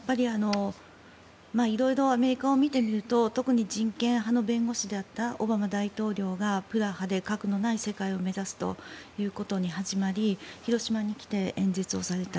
色々アメリカを見てみると特に人権派の弁護士であったオバマ大統領がプラハで核のない世界を目指すということに始まり広島に来て演説された。